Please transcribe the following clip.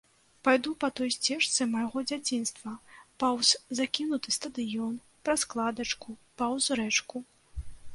Пайду па той сцежцы майго дзяцінства, паўз закінуты стадыён, праз кладачку, паўз рэчку.